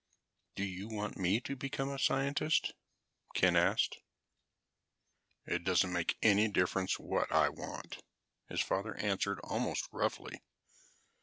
"Do you want me to become a scientist?" Ken asked. "It doesn't make any difference what I want," his father answered almost roughly.